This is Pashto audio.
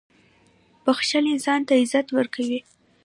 • بښل انسان ته عزت ورکوي.